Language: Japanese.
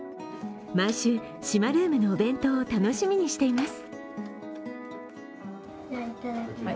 毎週、しまルームのお弁当を楽しみにしています。